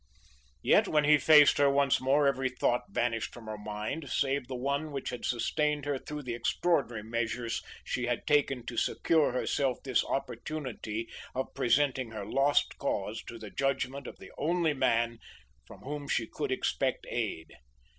Yet when he faced her once more every thought vanished from her mind save the one which had sustained her through the extraordinary measures she had taken to secure herself this opportunity of presenting her lost cause to the judgment of the only man from whom she could expect aid.